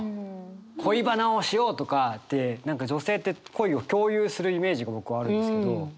恋バナをしようとかって何か女性って恋を共有するイメージが僕はあるんですけど。